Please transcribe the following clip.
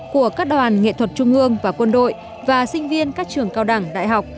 của các đoàn nghệ thuật trung ương và quân đội và sinh viên các trường cao đẳng đại học